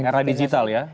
era digital ya